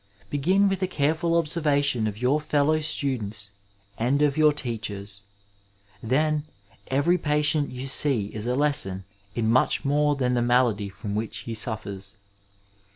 Begin with a careful observation of your fellow students and of your, teachers ; then, every patient you see is a lesson in much more than the malady from which he suffers.